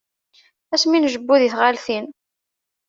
Ass mi njebbu di tɣaltin.